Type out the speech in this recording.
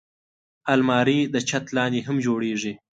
الماري د چت لاندې هم جوړېږي